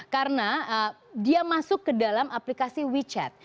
karena dia masuk ke dalam aplikasi wechat